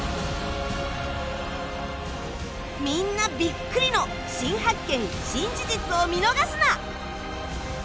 みんなビックリの新発見・新事実を見逃すな！